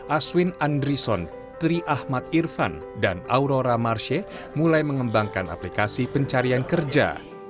aswin andrison tri ahmad irfan dan aurora marshe mulai mengembangkan aplikasi pencarian kerja